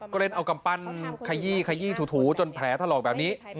ก็เล่นเอากำปั้นขยี้ขยี้ถูจนแผลถลอกแบบนี้